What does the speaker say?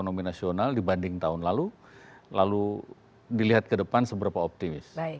ekonomi nasional dibanding tahun lalu lalu dilihat ke depan seberapa optimis